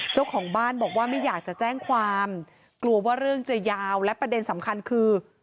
เจ้าของบ้านบอกว่าไม่อยากจะแจ้งความกลัวว่าเรื่องจะยาวและประเด็นสำคัญคือ